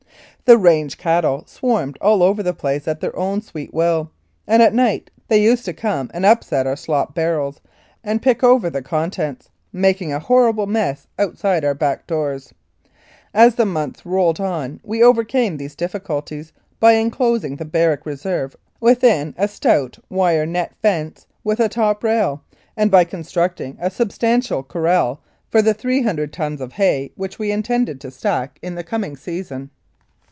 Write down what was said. The range cattle swarmed all over the place at their own sweet will, and at night they used to come and upset our slop barrels, and pick over the contents, making a horrible mess outside our back doors. As the months rolled on we overcame these difficulties by en closing the barrack reserve within a stout wire net fence with top rail, and by constructing a substantial corral for the 300 tons of hay which we intended to stack in the 48 1888. Lethbridge coming season.